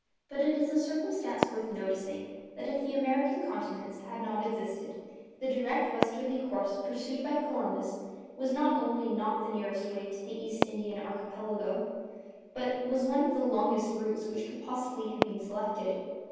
But it is a circumstance worth noticing, that if the American continents had no existence, the direct westerly course pursued by Columbus was not only not the nearest way to the East Indian Archipelago, but was one of the longest routes which could possibly have been selected.